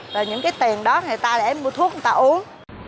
rồi những cái tiền đó người ta để em mua thuốc người ta uống